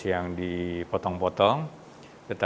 ini dan minum minum